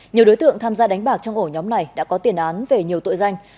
nhiều đối tượng tham gia đánh bạc trong ổ nhóm này đã có tiền án về nhiều tội danh